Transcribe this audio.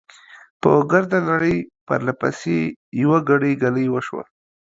په ګرده نړۍ، پرله پسې، يوه ګړۍ، ګلۍ وشوه .